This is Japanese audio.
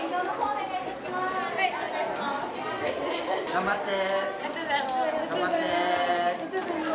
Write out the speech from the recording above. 頑張って。